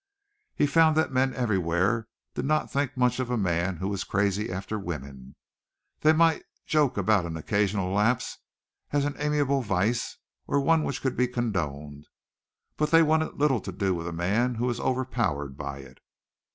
He found that men everywhere did not think much of a man who was crazy after women. They might joke about an occasional lapse as an amiable vice or one which could be condoned, but they wanted little to do with a man who was overpowered by it.